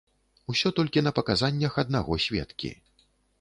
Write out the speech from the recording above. Усё толькі на паказаннях аднаго сведкі.